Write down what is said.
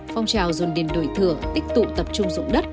phong trào dồn điền đổi thừa tích tụ tập trung dụng đất